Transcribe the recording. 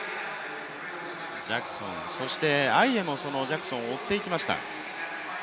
ジャクソン、そしてアイエもそのジャクソンを追っていきました。